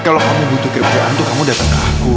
kalau kamu butuh kerjaan tuh kamu datang ke aku